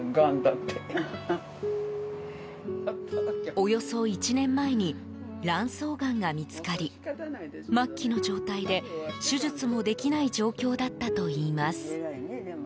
およそ１年前に卵巣がんが見つかり末期の状態で手術もできない状況だったといいます。